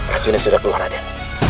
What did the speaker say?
racun yang sudah keluar raden